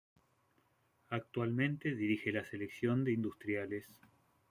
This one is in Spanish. Actualmente dirige la selección de Industriales.